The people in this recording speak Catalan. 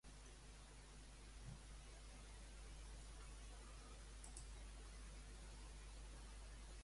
Jo vull començar una conversa amb tu.